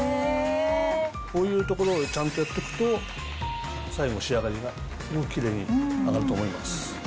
こういうところをちゃんとやっとくと、最後、仕上がりがすごくきれいに上がると思います。